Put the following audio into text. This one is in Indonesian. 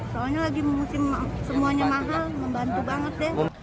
soalnya lagi musim semuanya mahal membantu banget deh